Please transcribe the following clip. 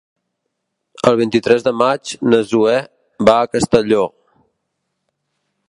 El vint-i-tres de maig na Zoè va a Castelló.